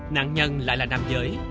nạn nhân lại là nam giới